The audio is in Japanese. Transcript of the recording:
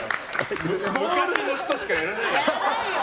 昔の人しかやらないよ！